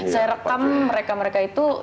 saya rekam mereka mereka itu